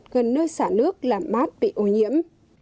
gần nơi xả nước làm mát bị ô nhiễm